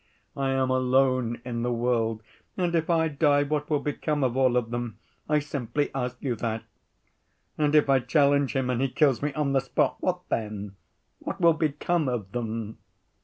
I am alone in the world, and if I die, what will become of all of them? I simply ask you that. And if I challenge him and he kills me on the spot, what then? What will become of them?